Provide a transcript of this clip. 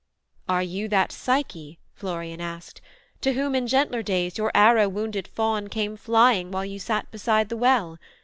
'Are you that Psyche,' Florian asked, 'to whom, In gentler days, your arrow wounded fawn Came flying while you sat beside the well?